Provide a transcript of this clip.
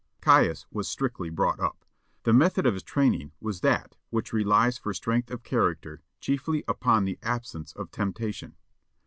Caius was strictly brought up. The method of his training was that which relies for strength of character chiefly upon the absence of temptation.